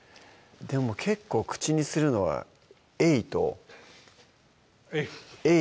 でも結構口にするのはエイとエイ？